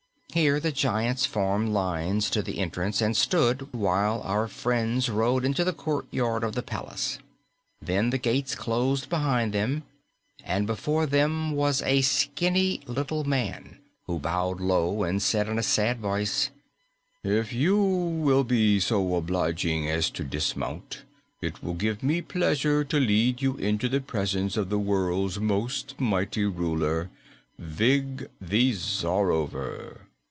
Here the giants formed lines to the entrance and stood still while our friends rode into the courtyard of the palace. Then the gates closed behind them, and before them was a skinny little man who bowed low and said in a sad voice, "If you will be so obliging as to dismount, it will give me pleasure to lead you into the presence of the World's Most Mighty Ruler, Vig the Czarover."